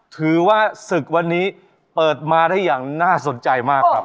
ถือว่าศึกวันนี้เปิดมาได้อย่างน่าสนใจมากครับ